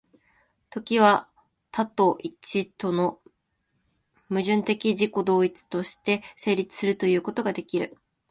時は多と一との矛盾的自己同一として成立するということができる。